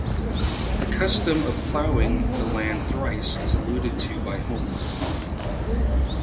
The custom of ploughing the land thrice is alluded to by Homer.